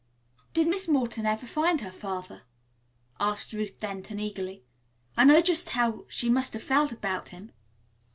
"Did Miss Morton ever find her father?" asked Ruth Denton eagerly. "I know just how she must have felt about him."